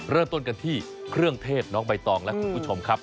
เริ่มต้นกันที่เครื่องเทศน้องใบตองและคุณผู้ชมครับ